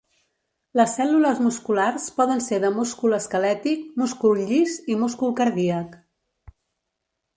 Les cèl·lules musculars poden ser de múscul esquelètic, múscul llis i múscul cardíac.